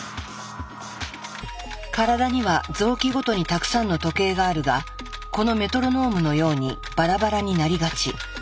体には臓器ごとにたくさんの時計があるがこのメトロノームのようにバラバラになりがち。